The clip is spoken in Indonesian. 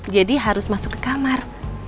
jadi harus masuk ke kamar